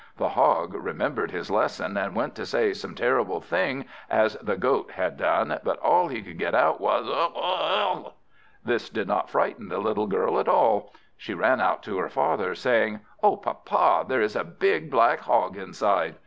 The Hog remembered his lesson, and wanted to say some terrible thing as the Goat had done; but all he could get out was "Ugh! ugh! ugh!" This did not frighten the little girl at all. She ran out to her father, saying "O papa! there is a big black Hog inside!"